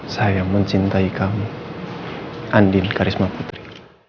saya mencintai kamu andin karisma putri